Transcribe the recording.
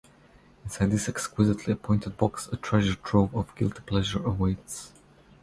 Inside this exquisitely appointed box, a treasure trove of guilty pleasure awaits.